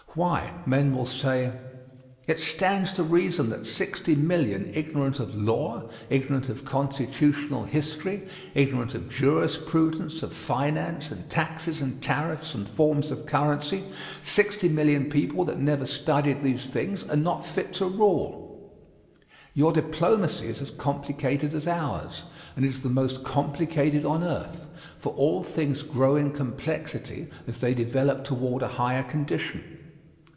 Why, men will say: "It stands to reason that 60,000,000 ignorant of law, ignorant of constitutional history, ignorant of jurisprudence, of finance, and taxes and tariffs and forms of currency 60,000,000 people that never studied these things are not fit to rule." Your diplomacy is as complicated as ours, and it is the most complicated on earth, for all things grow in complexity as they develop toward a higher condition.